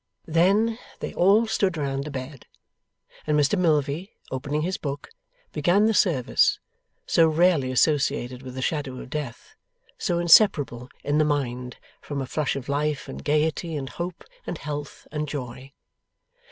Then, they all stood around the bed, and Mr Milvey, opening his book, began the service; so rarely associated with the shadow of death; so inseparable in the mind from a flush of life and gaiety and hope and health and joy.